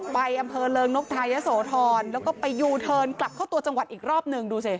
ไปอำเภอเริงนกทายะโสธรแล้วก็ไปยูเทิร์นกลับเข้าตัวจังหวัดอีกรอบหนึ่งดูสิ